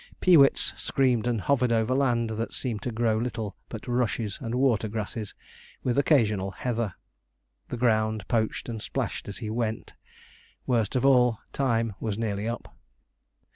Peewits screamed and hovered over land that seemed to grow little but rushes and water grasses, with occasional heather. The ground poached and splashed as he went; worst of all, time was nearly up.